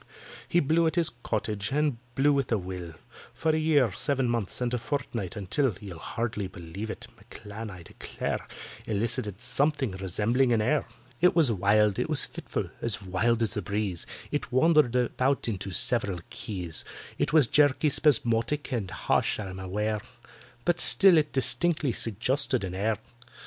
He blew at his "Cottage," and blew with a will, For a year, seven months, and a fortnight, until (You'll hardly believe it) M'CLAN, I declare, Elicited something resembling an air. It was wild—it was fitful—as wild as the breeze— It wandered about into several keys; It was jerky, spasmodic, and harsh, I'm aware; But still it distinctly suggested an air.